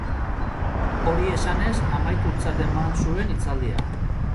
Hori esanez amaitutzat eman zuen hitzaldia.